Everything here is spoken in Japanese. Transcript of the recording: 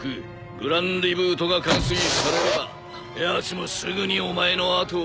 グランリブートが完遂されればやつもすぐにお前の後を追う。